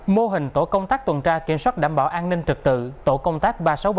mô hình tổ công tác tuần tra kiểm soát đảm bảo an ninh trực tự tổ công tác ba trăm sáu mươi bảy